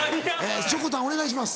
しょこたんお願いします。